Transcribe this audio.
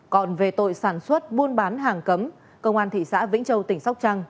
còn về tội sản xuất buôn bán hàng cấm công an thị xã vĩnh châu tỉnh sóc trăng